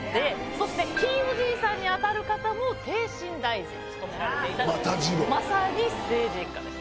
そしてひいおじいさんに当たる方も逓信大臣を務められていたというまさに政治一家です。